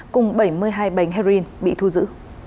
cùng bảy mươi hai bánh heroin bị thu giữ